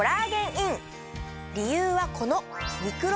理由はこの。